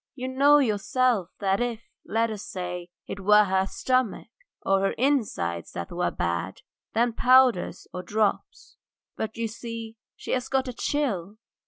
"You know yourself that if, let us say, it were her stomach or her inside that were bad, then powders or drops, but you see she had got a chill!